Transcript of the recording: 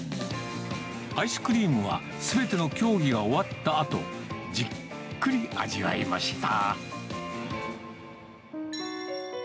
アイスクリームは、すべての競技が終わったあと、じっくり味わいました。